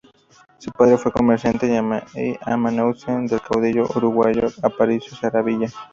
Su padre fue comerciante y amanuense del caudillo uruguayo Aparicio Saravia.